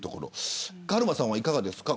カルマさんはいかがですか。